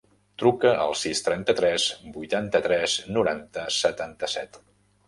Truca al sis, trenta-tres, vuitanta-tres, noranta, setanta-set.